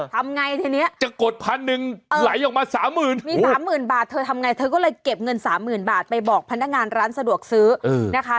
ทำไงทีเนี้ยจะกดพันหนึ่งไหลออกมาสามหมื่นมีสามหมื่นบาทเธอทำไงเธอก็เลยเก็บเงินสามหมื่นบาทไปบอกพนักงานร้านสะดวกซื้อนะคะ